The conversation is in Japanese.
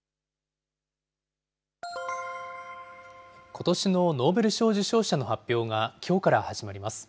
ことしのノーベル賞受賞者の発表がきょうから始まります。